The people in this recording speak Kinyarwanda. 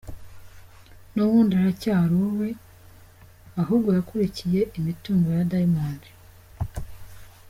Nubundi aracyari uwe ahubwo yakurikiye imitungo ya Diamond.